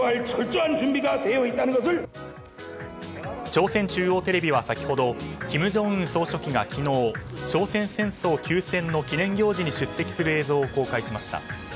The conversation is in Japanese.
朝鮮中央テレビは先ほど金正恩総書記が昨日朝鮮戦争休戦の記念行事に出席する映像を公開しました。